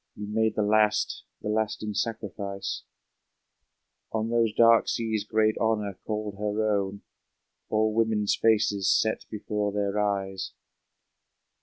You made the last, the lasting sacrifice ! On those dark seas great Honor called her own, All women's faces set before their eyes!